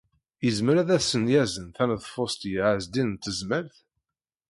Yezmer ad as-yazen taneḍfust i Ɛezdin n Tezmalt?